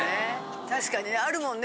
確かにねあるもんね